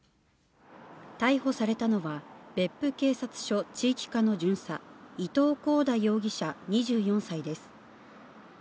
逮捕されたのは、別府警察署地域課の巡査、伊藤こうだ容疑者２４歳です。